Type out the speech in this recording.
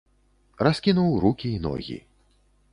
Раскінуў рукі і ногі.